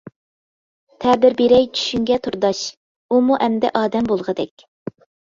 تەبىر بېرەي چۈشۈڭگە تورداش، ئۇمۇ ئەمدى ئادەم بولغۇدەك.